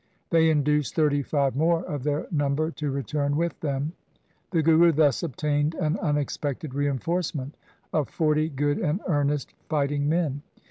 They induced thirty five more of their number to return with them. The Guru thus obtained an unexpected reinforcement of forty good and earnest fighting men.